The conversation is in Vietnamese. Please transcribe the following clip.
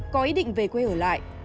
có ý định về quê ở lại